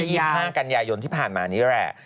เมื่อวันที่๕กันยายนที่ผ่านมานี้แหละ